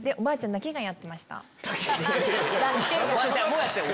おばあちゃんもやってる！